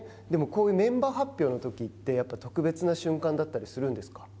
でも、こういうメンバー発表の時ってやっぱ特別な瞬間だったりするんですか。